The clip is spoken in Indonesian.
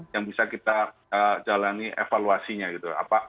yang bisa kita jalani evaluasinya gitu